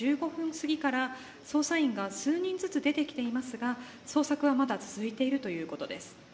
すぎから捜査員が数人ずつ出てきていますが、捜索はまだ、続いているということです。